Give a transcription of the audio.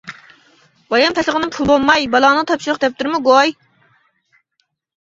-بايام تاشلىغىنىم پۇل بولماي، بالاڭنىڭ تاپشۇرۇق دەپتىرىمۇ گۇي!